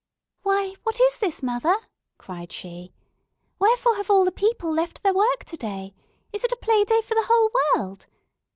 "Why, what is this, mother?" cried she. "Wherefore have all the people left their work today? Is it a play day for the whole world?